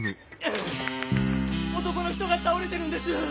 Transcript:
男の人が倒れてるんです。